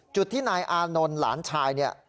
จุดที่นายอานนท์หลานชาย